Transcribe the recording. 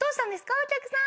お客さん。